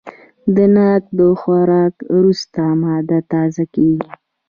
د ناک د خوراک وروسته معده تازه کېږي.